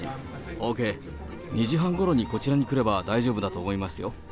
ＯＫ、２時半ごろにこちらに来れば大丈夫だと思いますよ。